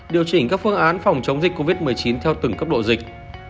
điều chỉnh các phương án phòng chống dịch covid một mươi chín theo từng cấp độ dịch